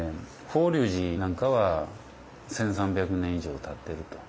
法隆寺なんかは１，３００年以上たってると。